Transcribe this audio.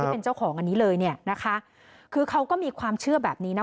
เป็นเจ้าของอันนี้เลยเนี่ยนะคะคือเขาก็มีความเชื่อแบบนี้นะ